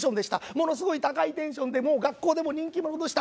ものすごい高いテンションでもう学校でも人気者でした。